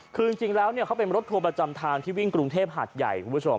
คือจริงแล้วเขาเป็นรถทัวร์ประจำทางที่วิ่งกรุงเทพหาดใหญ่คุณผู้ชม